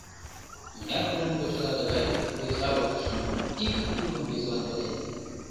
Мыняр курым почела тыгай ойсавыртышым ик тукым весылан коден!